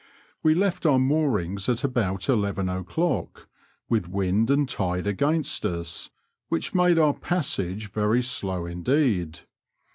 We left our moorings at about eleven o'clock, with wind and tide against us, which made our passage very slow indeed.